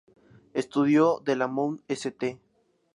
Estudió de la Mount St.